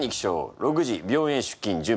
６時病院へ出勤・準備。